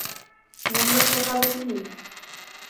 মূল্য চোকাবে তুমি।